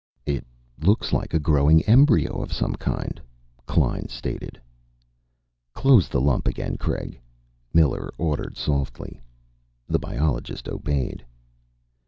"It looks like a growing embryo of some kind," Klein stated. "Close the lump again, Craig," Miller ordered softly. The biologist obeyed.